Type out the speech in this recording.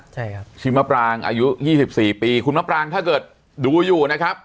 ใช่ครับชื่อมะปรางอายุ๒๔ปีคุณมะปรางถ้าเกิดดูอยู่นะครับ